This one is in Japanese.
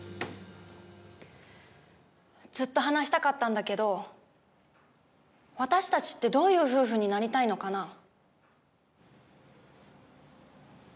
ずっと話したかったんだけど私たちってどういう夫婦になりたいのかな？